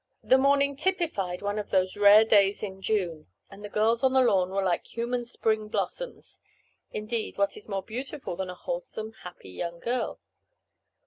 The morning typified one of those rare days in June, and the girls on the lawn were like human spring blossoms—indeed what is more beautiful than a wholesome, happy young girl?